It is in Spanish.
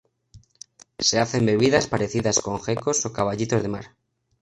Se hacen bebidas parecidas con gecos o caballitos de mar.